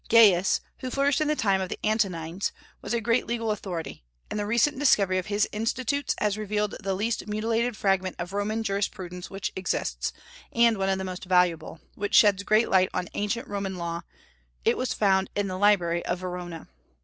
Gaius, who flourished in the time of the Antonines, was a great legal authority; and the recent discovery of his Institutes has revealed the least mutilated fragment of Roman jurisprudence which exists, and one of the most valuable, which sheds great light on ancient Roman law; it was found in the library of Verona.